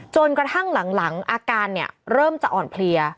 จนกระทั่งหลังอาการเริ่มจะอ่อนเพลีย